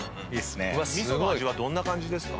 味噌の味はどんな感じですか？